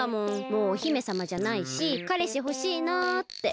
もうお姫さまじゃないしかれしほしいなあって。